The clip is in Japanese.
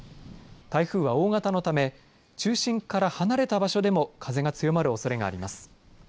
台風は、大型のため中心から離れた場所でも風が強まるおそれがあります。